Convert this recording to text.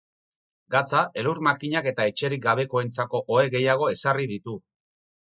Gatza, elur makinak eta etxerik gabekoentzako ohe gehiago ezarri ditu.